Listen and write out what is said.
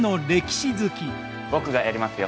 僕がやりますよ。